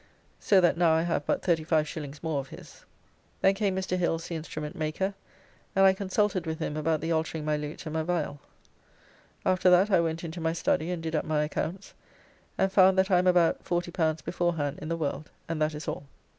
So that now I have but 35s. more of his. Then came Mr. Hills the instrument maker, and I consulted with him about the altering my lute and my viall. After that I went into my study and did up my accounts, and found that I am about; L40 beforehand in the world, and that is all.